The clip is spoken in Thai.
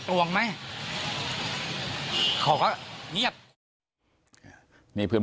เขาก็เงียบ